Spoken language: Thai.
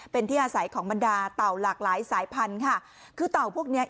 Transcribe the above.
เป็นที่อาศัยของบรรดาเต่าหลากหลายสายพันธุ์ค่ะคือเต่าพวกเนี้ย